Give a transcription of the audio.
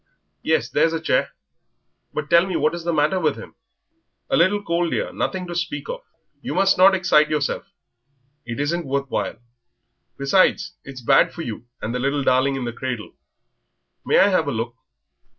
"Yes, there's a chair; but tell me what is the matter with him?" "A little cold, dear nothing to speak of. You must not excite yourself, it isn't worth while; besides, it's bad for you and the little darling in the cradle. May I have a look?...